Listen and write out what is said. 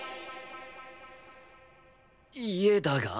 家だが？